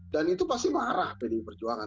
dan itu pasti marah pdip perjuangan